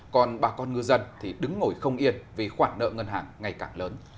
còn bà con ngư dân thì đứng ngồi không yên vì khoản nợ ngân hàng ngày càng lớn